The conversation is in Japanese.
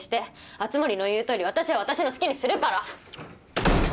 熱護の言うとおり私は私の好きにするから。